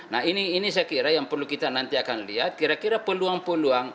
nah ini saya kira yang perlu kita nanti akan lihat kira kira peluang peluang